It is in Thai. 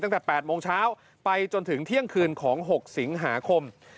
ตั้งแต่๘โมงเช้าไปจนถึงเที่ยงคืนของ๖สิงหาคม